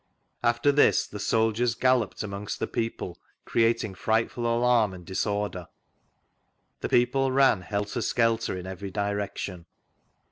After this the soldiers galloped amongst the people creating frightftd alarm and disorder. The peoj^ ran helter skelter in every direction.